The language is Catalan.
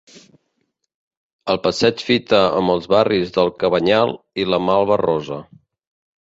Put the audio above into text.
El passeig fita amb els barris del Cabanyal i la Malva-rosa.